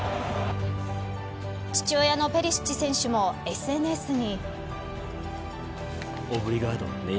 父親のペリシッチ選手もＳＮＳに。